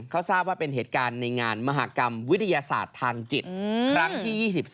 เขาทราบว่าเป็นเหตุการณ์ในงานมหากรรมวิทยาศาสตร์ทางจิตครั้งที่๒๓